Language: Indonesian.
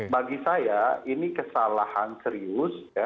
bagi saya ini kesalahan serius